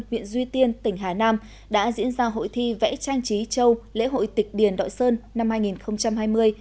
huyện duy tiên tỉnh hà nam đã diễn ra hội thi vẽ trang trí châu lễ hội tịch điền đội sơn năm hai nghìn hai mươi